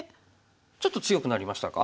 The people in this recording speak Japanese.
ちょっと強くなりましたか？